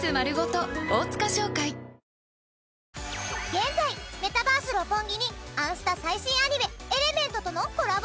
現在メタバース六本木に『あんスタ』最新アニメ『エレメント』とのコラボ